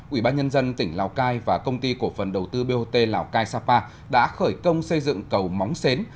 ủy ban nhân dân tỉnh lào cai và công ty cổ phần đầu tư bot lào cai sapa đã khởi công xây dựng cầu móng xến